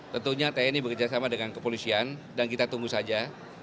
tentunya tni bekerjasama dengan kepolisian dan kita tunggu saja